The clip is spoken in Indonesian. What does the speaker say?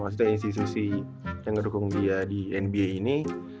maksudnya institusi yang mendukung dia di nba ini